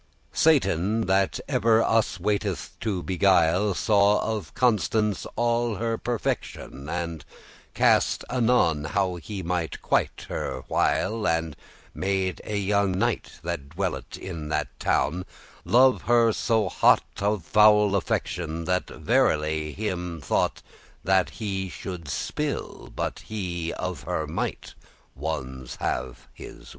Satan, that ever us waiteth to beguile, Saw of Constance all her perfectioun, And *cast anon how he might quite her while;* *considered how to have And made a young knight, that dwelt in that town, revenge on her* Love her so hot of foul affectioun, That verily him thought that he should spill* *perish But* he of her might ones have his will.